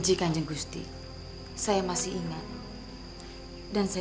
dan apa foolishnya kalian dipercaya